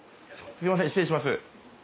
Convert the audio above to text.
すいません失礼します。